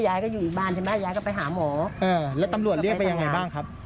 ยายก็อยู่อีกบ้านใช่ไหมยายก็ไปหาหมอเออแล้วตำรวจเรียกไปยังไงบ้างครับ